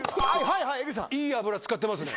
いい油使ってますね。